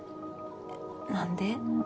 何で？